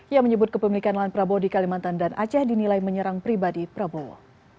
yang menyebut kepemilikan lahan prabowo di kalimantan dan aceh dinilai menyerang pribadi prabowo